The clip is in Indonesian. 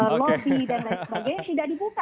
lobby dan lain sebagainya sudah dibuka